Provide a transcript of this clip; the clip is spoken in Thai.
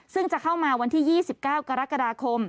ซึ่งจะเข้ามาวันที่๒๙กรกฎาคม